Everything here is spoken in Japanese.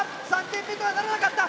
３点目とはならなかった。